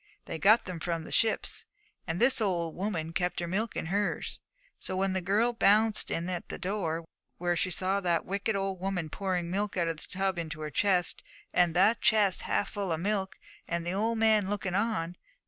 They got them from the ships, and this old woman kept her milk in hers. So when the girl bounced in at the door, there she saw that wicked old woman pouring milk out of the tub into her chest, and the chest half full of milk, and the old man looking on!